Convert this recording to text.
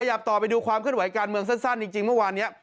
อยากต่อไปดูความเคลื่อนไหวการเมืองสั้นจริงเมื่อวานนี้